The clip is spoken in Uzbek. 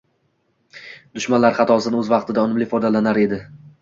Dushmanlari xatosidan o‘z vaqtida, unumli foydalanar edi.